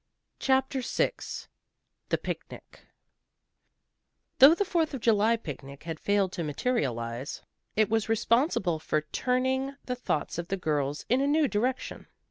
CHAPTER VI THE PICNIC Though the Fourth of July picnic had failed to materialize, it was responsible for turning the thoughts of the girls in a new direction.